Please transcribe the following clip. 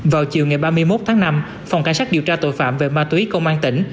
vào chiều ngày ba mươi một tháng năm phòng cảnh sát điều tra tội phạm về ma túy công an tỉnh